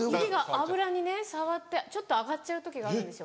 油にね触ってちょっと揚がっちゃう時があるんですよ。